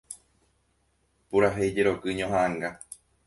Purahéi jeroky ñohaʼãnga.